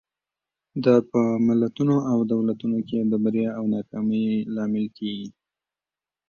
دا په ملتونو او دولتونو کې د بریا او ناکامۍ لامل کېږي.